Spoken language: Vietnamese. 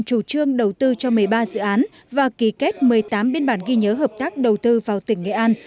chủ trương đầu tư cho một mươi ba dự án và ký kết một mươi tám biên bản ghi nhớ hợp tác đầu tư vào tỉnh nghệ an